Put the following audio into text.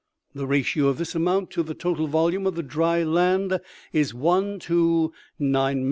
The ratio of this amount to the total volume of the dry land is one to 9,730,000.